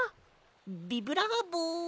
ビブラーボ。